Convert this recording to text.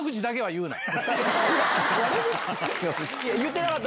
言ってなかった？